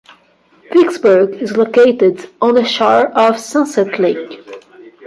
Vicksburg is located on the shore of Sunset Lake.